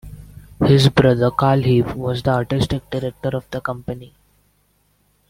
His brother, Carl Heap, was the artistic director of the company.